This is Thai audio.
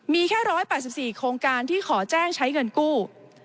มีแค่๑๘๔โครงการที่ขอแจ้งใช้เงินกู้